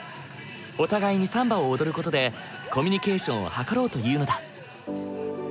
お互いにサンバを踊る事でコミュニケーションを図ろうというのだ。